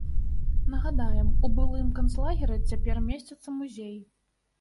Нагадаем, у былым канцлагеры цяпер месціцца музей.